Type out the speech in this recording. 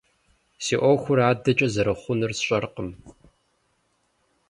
Си Ӏуэхур адэкӀэ зэрыхъунур сщӀэркъым.